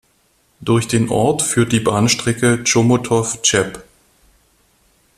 Durch den Ort führt die Bahnstrecke Chomutov–Cheb.